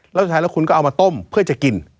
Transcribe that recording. แล้วคุณก็เอามาต้มเพื่อจะกิน